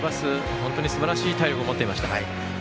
本当にすばらしい体力を持っていました。